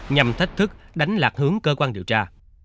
nhằm thách thức đánh lạc hướng cơ quan điều tra